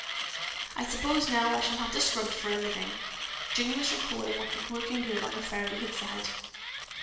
I suppose now I shall have to scrub for a living." Jane was recalling what the working girl on the ferry had said.